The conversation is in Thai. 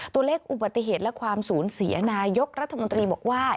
ตัวเลขอุบัติเหตุและความสูญเสียนายกรัฐมนตรีบอกว่า